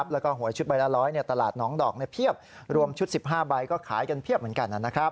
แล้วก็หวยชุดใบละ๑๐๐ตลาดน้องดอกเพียบรวมชุด๑๕ใบก็ขายกันเพียบเหมือนกัน